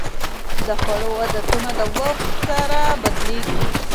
د خوړو عادتونه د وخت سره بدلېږي.